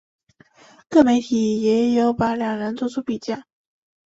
各媒体也有把两人作出比较。